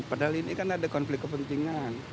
padahal ini kan ada konflik kepentingan